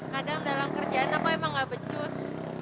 kadang dalam kerjaan apa emang gak becus